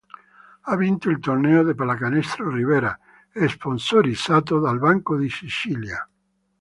Ha vinto il torneo la Pallacanestro Ribera, sponsorizzato dal Banco di Sicilia.